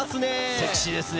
セクシーですね。